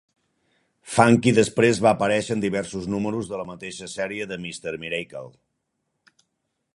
Funky després va aparèixer en diversos números de la mateixa sèrie de Mister Miracle.